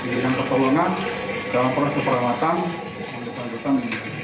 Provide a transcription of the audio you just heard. jadi yang keperluan dalam perawatan penyelamatkan penyelamatkan penyelamatkan penyelamatkan